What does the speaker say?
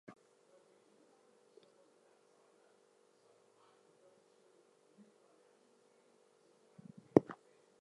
He also runs chiropractic seminars.